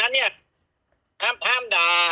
เอาจากนั้นนี่ห้ามด่า